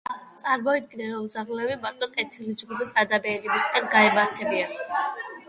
წარმოიდგინეთ, რომ ძაღლები მარტო „კეთილი“ ჯგუფის ადამიანებისკენ გაემართნენ.